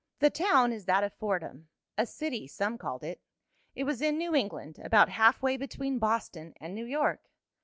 The town is that of Fordham a city some called it. It was in New England, about half way between Boston and New York.